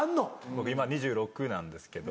僕今２６歳なんですけど。